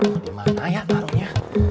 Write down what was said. mau dimana ya taruhnya